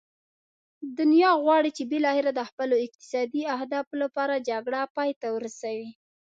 دنیا غواړي چې بالاخره د خپلو اقتصادي اهدافو لپاره جګړه پای ته ورسوي.